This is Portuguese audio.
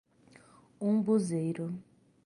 Umbuzeiro